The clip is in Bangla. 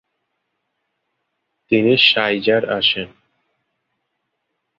তিনি শাইজার আসেন।